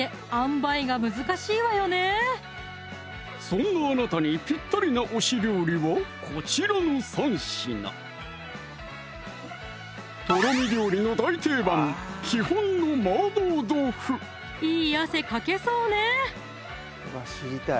そんなあなたにぴったりな推し料理はこちらの３品とろみ料理の大定番いい汗かけそうね